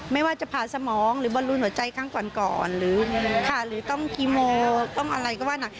ไม่ว่าจะผ่าสมองหรือบรรลุหัวใจครั้งก่อนหรือต้องกิโมต้องอะไรก็ว่านัก